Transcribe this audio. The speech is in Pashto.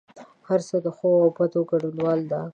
هر څه د ښو او بدو ګډوله ده.